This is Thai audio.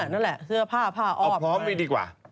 นั่นแหละเอาพร้อมไปดีกว่า